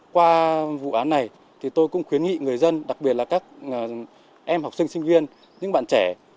qua vụ án này thì tôi cũng khuyến nghị người dân đặc biệt là các em học sinh sinh viên những bạn trẻ